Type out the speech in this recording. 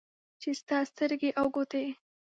چې ستا سترګې او ګوټې